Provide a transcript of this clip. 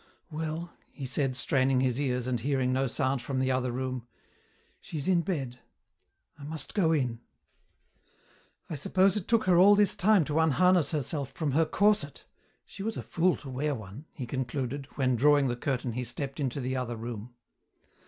Well," he said, straining his ears and hearing no sound from the other room, "she's in bed. I must go in. "I suppose it took her all this time to unharness herself from her corset. She was a fool to wear one," he concluded, when, drawing the curtain, he stepped into the other room.